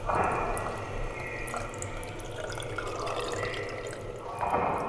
ম্যান্ডেলার স্ত্রী, যিনি কিংবদন্তির ম্যান্ডেলাকে আলাদা করে জেনেছিলেন ব্যক্তি ম্যান্ডেলা হিসেবে।